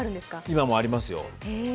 今もありますよ。